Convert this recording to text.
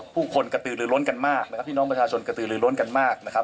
ผู้คนกระตือลือล้นกันมากนะครับพี่น้องประชาชนกระตือลือล้นกันมากนะครับ